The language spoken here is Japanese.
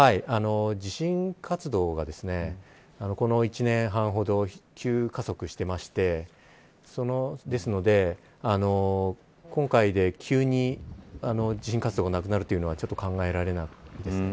地震活動がこの１年半ほど、急加速していてですので、今回で急に地震活動がなくなるというのはちょっと考えられないですね。